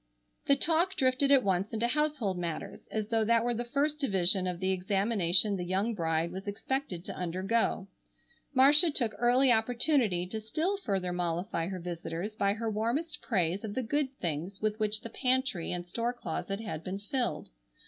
The talk drifted at once into household matters, as though that were the first division of the examination the young bride was expected to undergo. Marcia took early opportunity to still further mollify her visitors by her warmest praise of the good things with which the pantry and store closet had been filled.